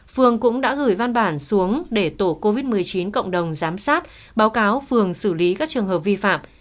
phường cũng đã gửi văn bản xuống để tổ covid một mươi chín cộng đồng giám sát báo cáo phường xử lý các trường hợp vi phạm